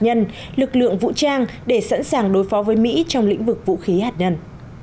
nhân lực lượng vũ trang để sẵn sàng đối phó với mỹ trong lĩnh vực vũ khí hạt nhân